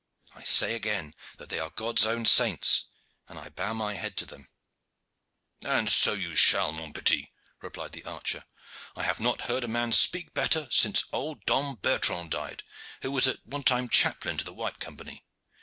I say again that they are God's own saints, and I bow my head to them." "And so you shall, mon petit," replied the archer. "I have not heard a man speak better since old Dom Bertrand died, who was at one time chaplain to the White Company.